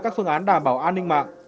các phương án đảm bảo an ninh mạng